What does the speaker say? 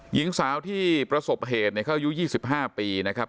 หญิงสาวที่ประสบเหตุเขาอายุ๒๕ปีนะครับ